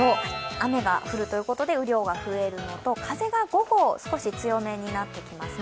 雨が降るということで雨量が増えるのと、風が午後、少し強めになってきますね。